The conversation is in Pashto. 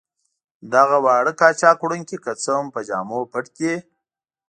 دغه واړه قاچاق وړونکي که څه هم په جامو پټ دي.